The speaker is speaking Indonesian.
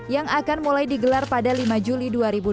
yang akan mulai digelar pada lima juli dua ribu dua puluh